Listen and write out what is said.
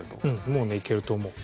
もうねいけると思う。